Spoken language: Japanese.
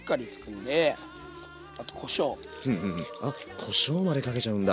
こしょうまでかけちゃうんだ。